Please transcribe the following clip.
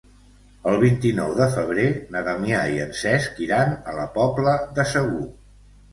El vint-i-nou de febrer na Damià i en Cesc iran a la Pobla de Segur.